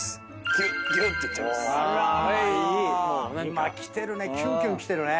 今きてるね。